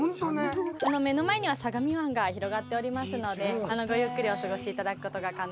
目の前には相模湾が広がっておりますのでごゆっくりお過ごしいただくことが可能でございます。